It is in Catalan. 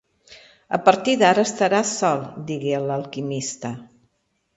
"A partir d'ara, estaràs sol", digué l'alquimista.